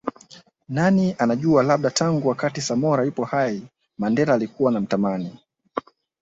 Nani anajua labda tangu wakati Samora yupo hai Mandela alikuwa anamtamani